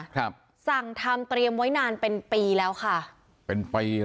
ครับสั่งทำเตรียมไว้นานเป็นปีแล้วค่ะเป็นปี